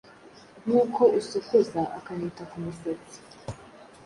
nkuko usokoza akanita ku misatsi